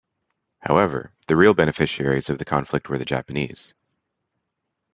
However, the real beneficiaries of the conflict were the Japanese.